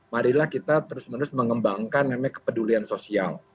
marilah kita terus menerus mengembangkan namanya kepedulian sosial